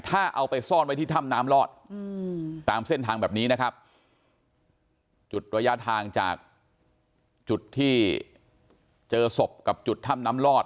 ถ้าเอาไปซ่อนไว้ที่ถ้ำน้ำลอดตามเส้นทางแบบนี้นะครับจุดระยะทางจากจุดที่เจอศพกับจุดถ้ำน้ำลอด